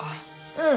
うん。